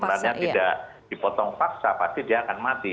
kalau itu sebenarnya tidak dipotong paksa pasti dia akan mati